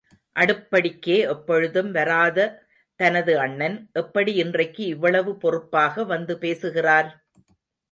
அடுப்படிக்கே எப்பொழுதும் வராத தனது அண்ணன், எப்படி இன்றைக்கு இவ்வளவு பொறுப்பாக வந்து பேசுகிறார்!